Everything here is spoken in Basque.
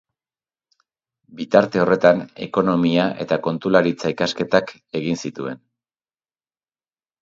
Bitarte horretan ekonomia- eta kontularitza-ikasketak egin zituen.